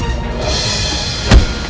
kau tidak tahu